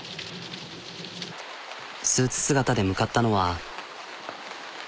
スーツ姿で向かったのは。